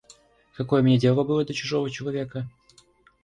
Какое мне дело было до чужого человека?